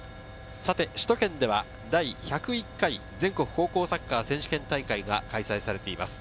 首都圏では第１０１回全国高校サッカー選手権大会が開催されています。